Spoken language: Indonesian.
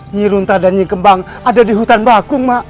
nyi runtar dan nyi kembang ada di hutan bakung ma